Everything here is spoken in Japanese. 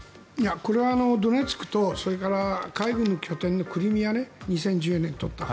これはドネツクとそれから海軍の拠点のクリミアね２０１４年に取った。